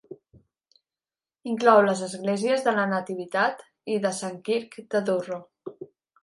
Inclou les esglésies de la Nativitat i de Sant Quirc de Durro.